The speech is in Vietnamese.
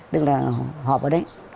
tức là họp ở đấy